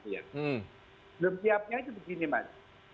belum siapnya itu begini mas